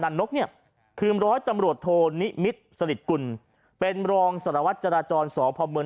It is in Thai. นกเนี่ยคือร้อยตำรวจโทนิมิตรสลิดกุลเป็นรองสารวัตรจราจรสพเมือง